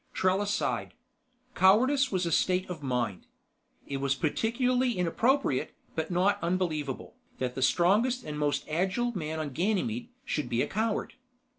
Trella sighed. Cowardice was a state of mind. It was peculiarly inappropriate, but not unbelievable, that the strongest and most agile man on Ganymede should be a coward.